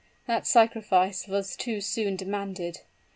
That sacrifice was too soon demanded!